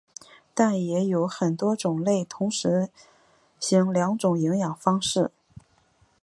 但也有很多种类同时行两种营养方式。